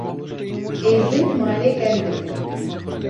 Êzing malê germ dikin.